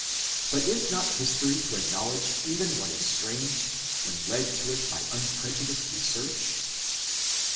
But is not history to acknowledge even what is strange, when led to it by unprejudiced research